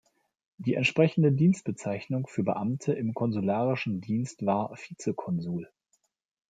Die entsprechende Dienstbezeichnung für Beamte im konsularischen Dienst war Vizekonsul.